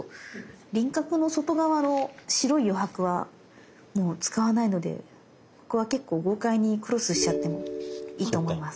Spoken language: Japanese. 輪郭の外側の白い余白はもう使わないのでここは結構豪快にクロスしちゃってもいいと思います。